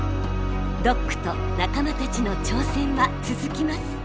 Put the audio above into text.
ドックと仲間たちの挑戦は続きます！